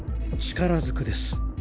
力ずくです。